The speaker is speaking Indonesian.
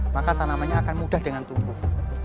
maka tanamannya akan mudah dengan tumbuh